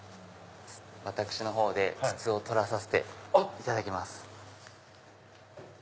私のほうで筒を取らさせていただきます。